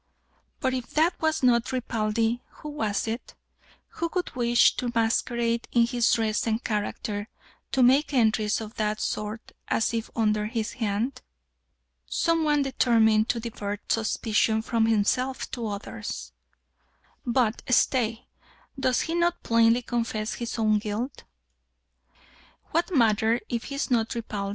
"But if that was not Ripaldi, who was it? Who would wish to masquerade in his dress and character, to make entries of that sort, as if under his hand?" "Some one determined to divert suspicion from himself to others " "But stay does he not plainly confess his own guilt?" "What matter if he is not Ripaldi?